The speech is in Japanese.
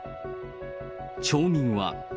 町民は。